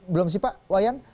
belum sih pak wayan